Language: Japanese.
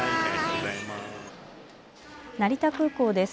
成田空港です。